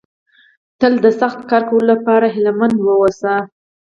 تل د سخت کار کولو لپاره هيله مند ووسئ.